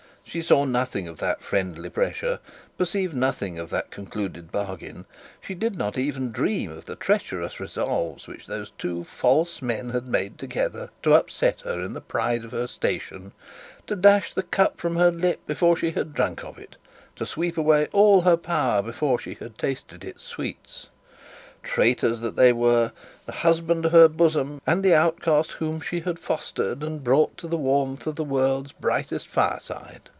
She saw nothing of that friendly pressure, perceived nothing of that concluded bargain; she did not even dream of the treacherous resolves which those two false men had made together to upset her in the pride of her station, to dash the cup from her lip before she had drank of it, to seep away all her power before she had tasted its sweets! Traitors that they were; the husband of her bosom, and the outcast whom she had fostered and brought into the warmth of the world's brightest fireside!